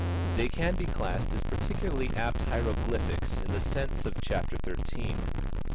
They can be classed as particularly apt hieroglyphics in the sense of chapter thirteen.